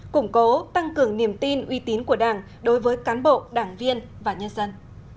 củng cố tăng cường niềm tin uy tín của đảng đối với cán bộ đảng viên và nhân dân